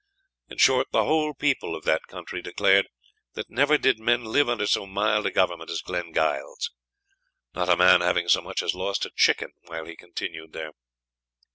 In short, the whole people of that country declared that never did men live under so mild a government as Glengyle's, not a man having so much as lost a chicken while he continued there."